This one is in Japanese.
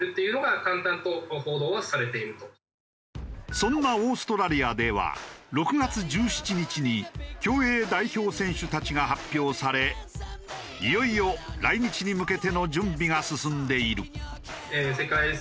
そんなオーストラリアでは６月１７日に競泳代表選手たちが発表されいよいよ来日に向けての準備が進んでいる。